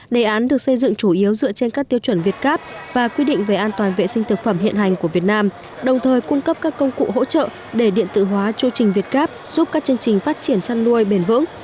đề án được xây dựng chủ yếu dựa trên các tiêu chuẩn việt gáp và quy định về an toàn vệ sinh thực phẩm hiện hành của việt nam đồng thời cung cấp các công cụ hỗ trợ để điện tử hóa chu trình việt gáp giúp các chương trình phát triển chăn nuôi bền vững